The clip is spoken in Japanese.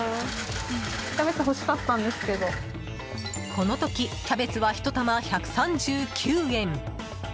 この時、キャベツは１玉１３９円。